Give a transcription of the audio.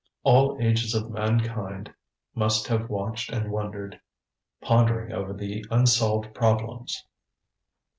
All ages of mankind must have watched and wondered, pondering over the unsolved problems.